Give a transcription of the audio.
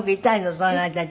その間中。